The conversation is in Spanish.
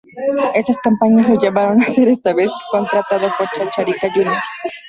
Estas campañas lo llevaron a ser esta vez contratado por Chacarita Juniors.